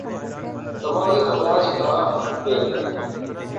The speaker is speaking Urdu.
دماغی امراض کا ب